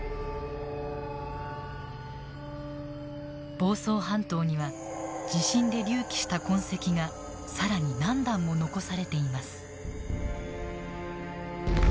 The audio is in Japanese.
房総半島には地震で隆起した痕跡が更に何段も残されています。